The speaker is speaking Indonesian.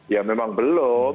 ya memang belum